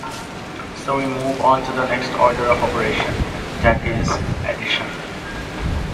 So we move on to the next order of operation, i.e., addition.